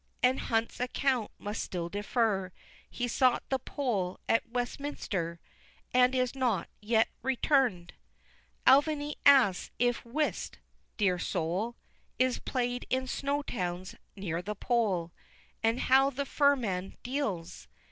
And Hunt's account must still defer, He sought the poll at Westminster And is not yet return'd! XXIII. Alvanly asks if whist, dear soul, Is play'd in snow towns near the Pole, And how the fur man deals?